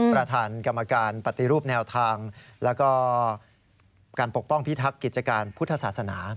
ประธานกรรมการปฏิรูปแนวทางแล้วก็การปกป้องพิทักษ์กิจการพุทธศาสนา